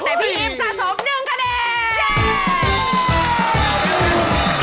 แต่พี่อิ๊มสะสม๑คะแนนเย้โอ้โฮ